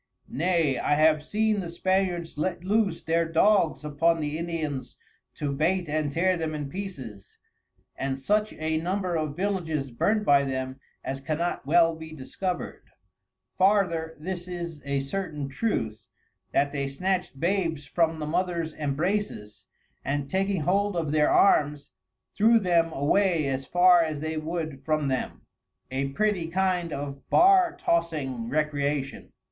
Nay, I have seen the Spaniards let loose their Dogs upon the Indians to bait and tear them in pieces, and such a Number of Villages burnt by them as cannot well be discover'd: Farther this is a certain Truth, that they snatched Babes from the Mothers Embraces, and taking hold of their Arms threw them away as far as they would from them: (a pretty kind of barr tossing Recreation.)